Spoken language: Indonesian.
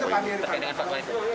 terkait dengan pak joko